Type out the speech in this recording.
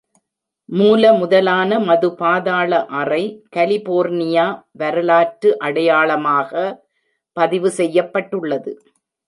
மூலமுதலான மது பாதாள அறை கலிபோர்னியா வரலாற்று அடையாளமாக பதிவு செய்யப்பட்டுள்ளது